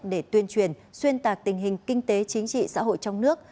để tuyên truyền xuyên tạc tình hình kinh tế chính trị xã hội trong nước